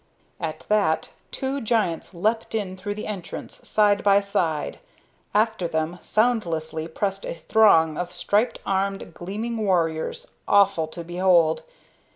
At that two giants leapt in through the entrance side by side; after them, soundlessly, pressed a throng of striped, armed, gleaming warriors, awful to behold.